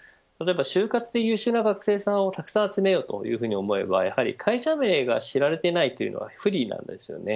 就活で優秀な学生さんをたくさん集めようと思えば会社名が知られていないというのは不利なんです。